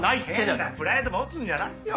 変なプライド持つんじゃないよ！